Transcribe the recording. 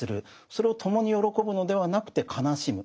それを共に喜ぶのではなくて悲しむ。